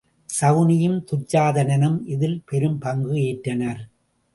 சகுனியும் துச்சாதனனும் இதில் பெரும் பங்கு ஏற்றனர்.